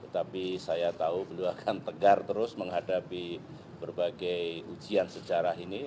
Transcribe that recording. tapi saya tahu beliau akan tegar terus menghadapi berbagai ujian sejarah ini